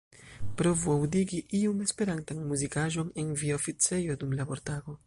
Provu aŭdigi iun Esperantan muzikaĵon en via oficejo dum labortago.